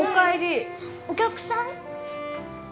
お客さん？